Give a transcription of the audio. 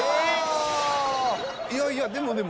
いやいやでもでも。